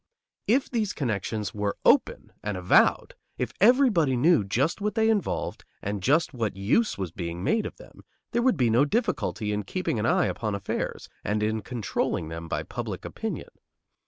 If these connections were open and avowed, if everybody knew just what they involved and just what use was being made of them, there would be no difficulty in keeping an eye upon affairs and in controlling them by public opinion.